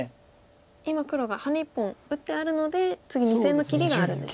今黒がハネ１本打ってあるので次２線の切りがあるんですね。